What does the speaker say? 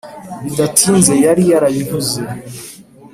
bidatinze yari yarabivuze